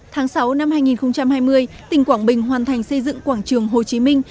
tháng sáu năm hai nghìn hai mươi tỉnh quảng bình hoàn thành xây dựng quảng trường hồ chí minh